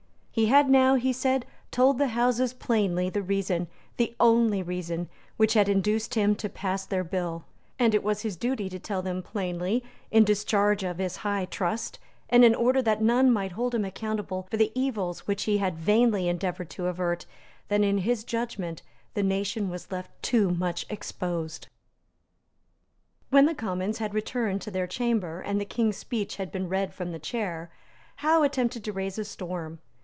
He had now, he said, told the Houses plainly the reason, the only reason, which had induced him to pass their bill; and it was his duty to tell them plainly, in discharge of his high trust, and in order that none might hold him accountable for the evils which he had vainly endeavoured to avert, that, in his judgment, the nation was left too much exposed. When the Commons had returned to their chamber, and the King's speech had been read from the chair, Howe attempted to raise a storm.